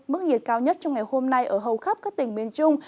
mức nhiệt cao nhất trong ngày hôm nay ở hầu khắp các tỉnh miền trung